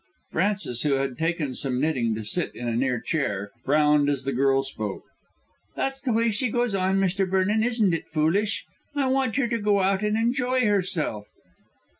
Frances, who had taken some knitting to sit in a near chair, frowned as the girl spoke. "That's the way she goes on, Mr. Vernon. Isn't it foolish? I want her to go out and enjoy herself."